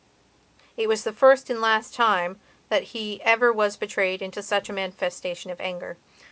It was the first and last time that he ever was betrayed into such a manifestation of anger.